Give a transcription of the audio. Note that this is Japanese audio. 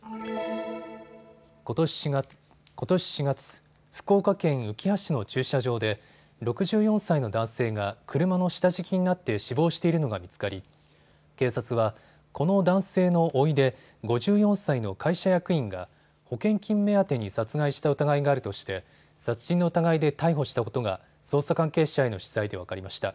ことし４月、福岡県うきは市の駐車場で６４歳の男性が車の下敷きになって死亡しているのが見つかり警察はこの男性のおいで５４歳の会社役員が保険金目当てに殺害した疑いがあるとして殺人の疑いで逮捕したことが捜査関係者への取材で分かりました。